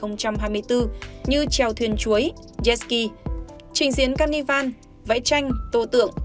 như trèo thuyền chuối jet ski trình diễn carnival vẽ tranh tổ tượng